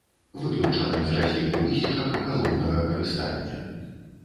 Выключаны з разліку высечак галоўнага карыстання.